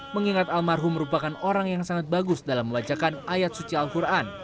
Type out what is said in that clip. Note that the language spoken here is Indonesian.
mengingat almarhum merupakan orang yang sangat bagus dalam membacakan ayat suci al quran